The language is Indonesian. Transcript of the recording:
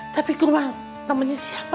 tapi ke rumah temennya siapa ya